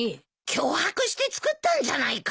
脅迫して作ったんじゃないか！